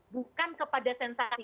bukan kepada sensasi